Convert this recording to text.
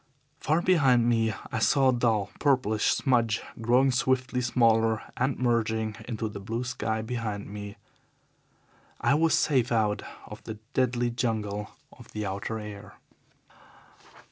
Far behind me I saw a dull, purplish smudge growing swiftly smaller and merging into the blue sky behind it. I was safe out of the deadly jungle of the outer air.